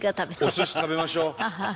お寿司食べましょう！